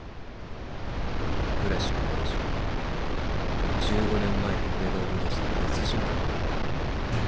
浦島エイジは１５年前に俺が生み出した別人格なんだよ。